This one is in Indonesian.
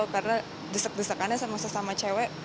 karena desek desekannya sama sama cewek